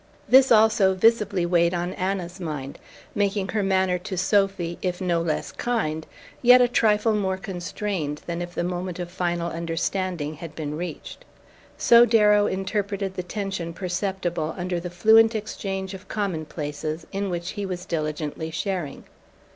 This also visibly weighed on Anna's mind, making her manner to Sophy, if no less kind, yet a trifle more constrained than if the moment of final understanding had been reached. So Darrow interpreted the tension perceptible under the fluent exchange of commonplaces in which he was diligently sharing.